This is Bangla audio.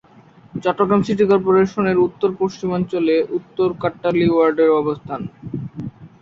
চট্টগ্রাম সিটি কর্পোরেশনের উত্তর-পশ্চিমাংশে উত্তর কাট্টলী ওয়ার্ডের অবস্থান।